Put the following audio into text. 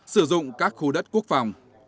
sử dụng các khu đất quốc phòng